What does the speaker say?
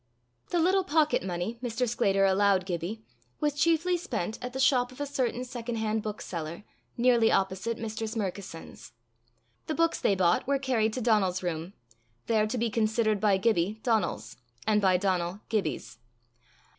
The little pocket money Mr. Sclater allowed Gibbie, was chiefly spent at the shop of a certain secondhand bookseller, nearly opposite Mistress Murkison's. The books they bought were carried to Donal's room, there to be considered by Gibbie Donal's, and by Donal Gibbie's.